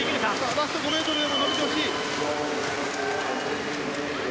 ラスト５ｍで伸びてほしい。